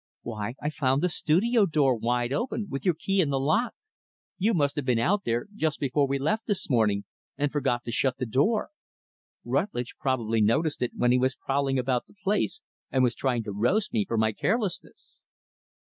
"Why, I found the studio door wide open, with your key in the lock. You must have been out there, just before we left this morning, and forgot to shut the door. Rutlidge probably noticed it when he was prowling about the place, and was trying to roast me for my carelessness."